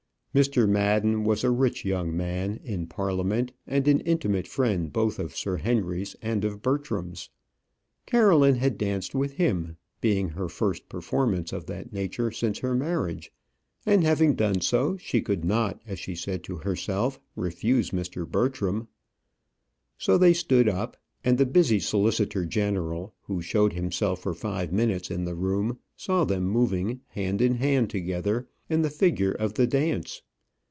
Mr. Madden was a rich young man, in Parliament, and an intimate friend both of Sir Henry's and of Bertram's. Caroline had danced with him being her first performance of that nature since her marriage; and having done so, she could not, as she said to herself, refuse Mr. Bertram. So they stood up; and the busy solicitor general, who showed himself for five minutes in the room, saw them moving, hand in hand together, in the figure of the dance.